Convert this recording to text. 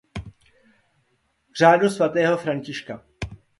Řádu svatého Františka.